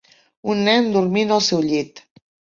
Un nen dormint al seu llit.